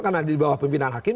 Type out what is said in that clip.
karena di bawah pimpinan hakim